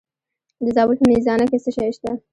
د زابل په میزانه کې څه شی شته؟